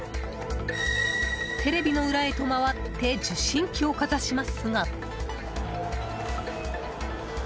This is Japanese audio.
テレビの裏へと回って受信機をかざしますが。